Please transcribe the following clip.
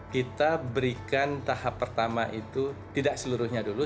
kita berikan tahap pertama itu tidak seluruhnya dulu